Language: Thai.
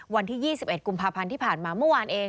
วันที่๒๑กุมภาพันธ์ที่ผ่านมาเมื่อวานเอง